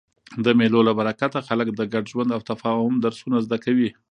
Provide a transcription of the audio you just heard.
د مېلو له برکته خلک د ګډ ژوند او تفاهم درسونه زده کوي.